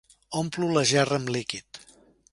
Omplo la gerra amb líquid.